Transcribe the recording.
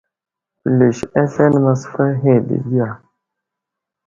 Pəlis aslane masfay ahe dəgiya.